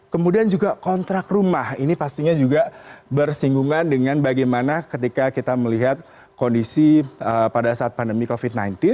kemudian juga kontrak rumah ini pastinya juga bersinggungan dengan bagaimana ketika kita melihat kondisi pada saat pandemi covid sembilan belas